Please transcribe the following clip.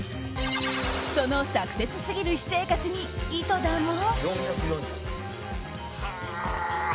そのサクセスすぎる私生活に井戸田も。